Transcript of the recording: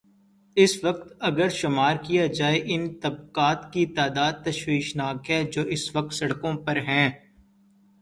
اس وقت اگر شمارکیا جائے، ان طبقات کی تعداد تشویش ناک ہے جو اس وقت سڑکوں پر ہیں۔